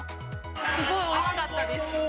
すごいおいしかったです。